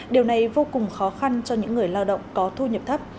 điều này vô cùng khó khăn cho những người lao động có thu nhập thấp